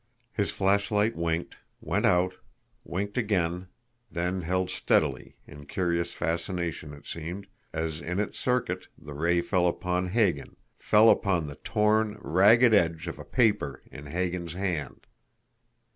His flashlight winked, went out, winked again; then held steadily, in curious fascination it seemed, as, in its circuit, the ray fell upon Hagan FELL UPON THE TORN, RAGGED EDGE OF A PAPER IN HAGAN'S HAND!